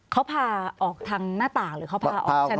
เขาพาออกทางหน้าต่างหรือเขาพาออกใช่ไหม